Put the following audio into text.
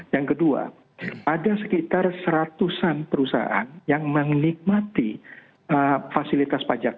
yang kedua ada sekitar seratusan perusahaan yang menikmati fasilitas pajak